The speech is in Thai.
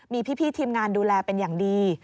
มีพี่ทีมงานดูแลเป็นอย่างดี